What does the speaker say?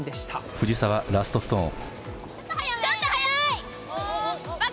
藤澤、ラストストーン。